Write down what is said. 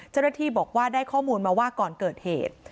เจ้าหน้าที่บอกว่าได้ข้อมูลมาว่าก่อนเกิดเหตุ